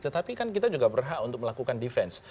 tetapi kan kita juga berhak untuk melakukan defense